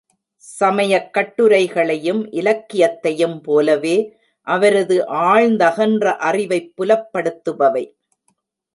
சமயக் கட்டுரைகளையும் இலக்கியத்தையும் போலவே அவரது ஆழ்ந்தகன்ற அறிவைப் புலப்படுத்துபவை.